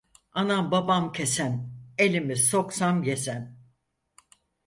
Anam babam kesem, elimi soksam yesem.